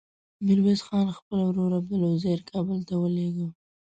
ميرويس خان خپل ورور عبدلعزير کابل ته ولېږه.